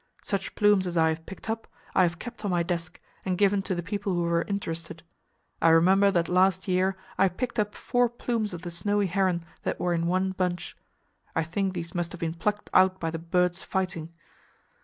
Such plumes as I have picked up, I have kept on my desk, and given to the people who were interested. I remember that last year I picked up four plumes of the snowy heron that were in one bunch. I think these must have been plucked out by the birds fighting.